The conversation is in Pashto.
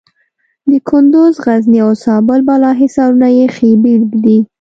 د کندز، غزني او زابل بالا حصارونه یې ښې بېلګې دي.